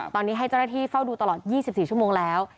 ตอนนี้ให้เจ้าหน้าที่เฝ้าดูตลอด๒๔ชั่วโมงแล้ว